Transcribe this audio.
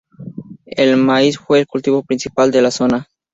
El maíz fue el cultivo principal de la zona.